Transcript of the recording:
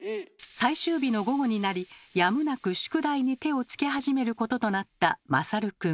最終日の午後になりやむなく宿題に手を付け始めることとなった大くん。